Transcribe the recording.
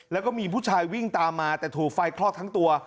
แล้วก็มีผู้ชายวิ่งตามมาแต่ถูกไฟคลอกทั้งตัว